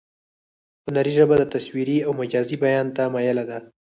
هنري ژبه تصویري او مجازي بیان ته مایله ده